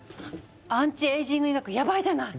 アンチエイジング医学ヤバいじゃない！でしょう？